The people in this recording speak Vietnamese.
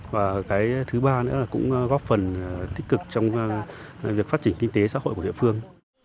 và cái thứ ba nữa là cũng góp phần tích cực trong việc phát triển kinh tế xã hội của địa phương